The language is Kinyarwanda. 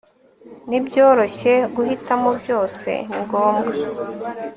nibyoroshye. guhitamo byose ni ngombwa